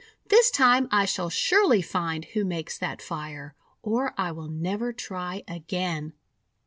This time I shall surely find who makes that fire, or I will never try again!'